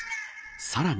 さらに。